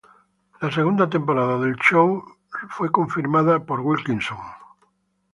La segunda temporada del show fue confirmada por Wilkinson, por medio de su Facebook.